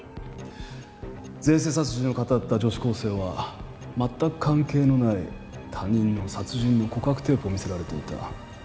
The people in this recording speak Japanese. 前世殺人を語った女子高生はまったく関係のない他人の殺人の告白テープを見せられていた。